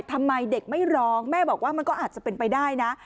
ทำไมเด็กไม่ร้องแม่บอกว่ามันก็อาจจะเป็นไปได้นะ